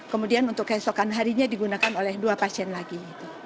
kemudian untuk keesokan harinya digunakan oleh dua pasien lagi